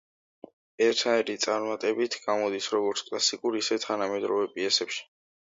ერთნაირი წარმატებით გამოდის როგორც კლასიკურ, ისე თანამედროვე პიესებში.